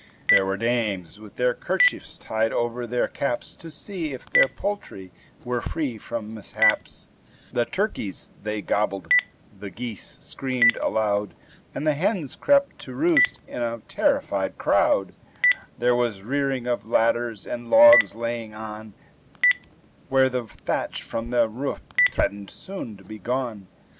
There were dames with their kerchiefs tied over their caps, To see if their poultry were free from mishaps; The turkeys, they gobbled, the geese screamed aloud, And the hens crept to roost in a terrified crowd; There was rearing of ladders, and logs laying on, Where the thatch from the roof threatened soon to be gone.